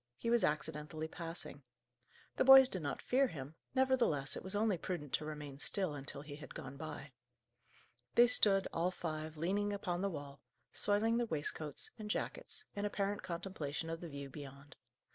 He was accidentally passing. The boys did not fear him; nevertheless, it was only prudent to remain still, until he had gone by. They stood, all five, leaning upon the wall, soiling their waistcoats and jackets, in apparent contemplation of the view beyond.